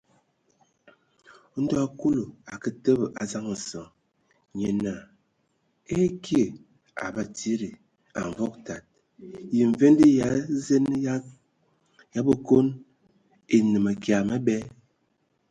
Ndo Kulu a akǝ təbǝ a zaŋ nsəŋ, nye naa: Ekye A Batsidi, a Mvog tad, yə mvende Ya zen ya a Bekon e no mǝkya məbɛ?